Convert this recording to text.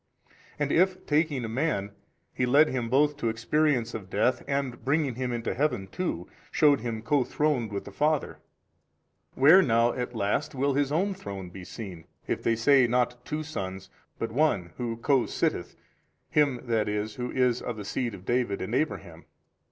and if taking a man, He led him both to experience of death, and bringing him into Heaven too, shewed him co throned with the Father; where now at last will His own Throne 11 be seen, if they say not two sons, but one who co sitteth, him that is who is of the seed of David and Abraham?